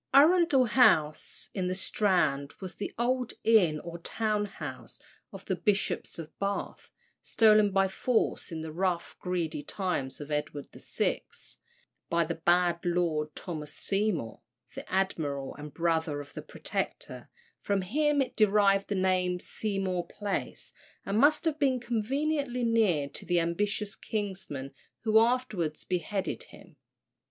Arundel House, in the Strand, was the old inn or town house of the Bishops of Bath, stolen by force in the rough, greedy times of Edward VI., by the bad Lord Thomas Seymour, the admiral, and the brother of the Protector; from him it derived the name of Seymour Place, and must have been conveniently near to the ambitious kinsman who afterwards beheaded him.